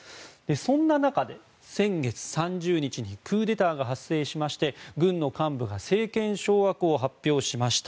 そんな中で、先月３０日にクーデターが発生しまして軍の幹部が政権掌握を発表しました。